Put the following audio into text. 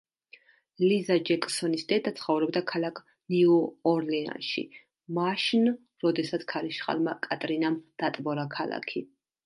ლიზა ჯეკსონის დედა ცხოვრობდა ქალაქ ნიუ-ორლეანში, მაშნ როდესაც ქარიშხალმა კატრინამ დატბორა ქალაქი.